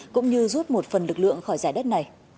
cũng như rút một phần lực lượng khỏi giải đất này